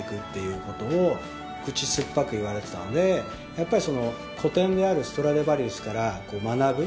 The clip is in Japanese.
やっぱり。